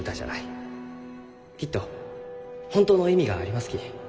きっと本当の意味がありますき。